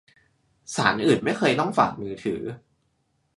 ศาลอื่นไม่เคยต้องฝากมือถือ